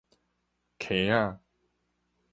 坑仔